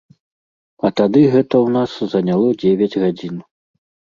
А тады гэта ў нас заняло дзевяць гадзін.